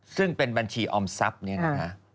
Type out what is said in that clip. ซึ่งเป็นบัญชีออมทรัพย์เนี่ยนะฮะ